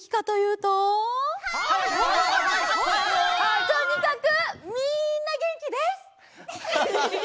とにかくみんなげんきです！